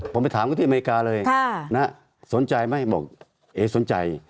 ผมไปถามเขาที่อเมริกาเลยสนใจไหมบอกเอ๊สนใจ